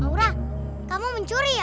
maura kamu mencuri ya